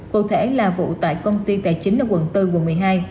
cụ thể là vụ tại công ty tài chính ở quận bốn quận một mươi hai